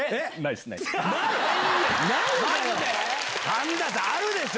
神田さんあるでしょ！